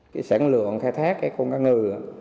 cái sản lượng khai thác cái cơ cá ngừ